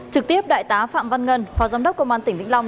trực tiếp đại tá phạm văn ngân phó giám đốc công an tỉnh vĩnh long